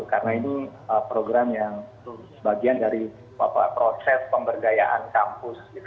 karena ini program yang bagian dari proses pemberdayaan kampus gitu